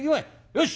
よし！